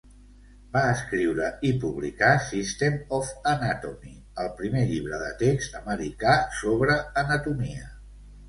Va escriure i publicar "System of Anatomy", el primer llibre de text americà sobre anatomia.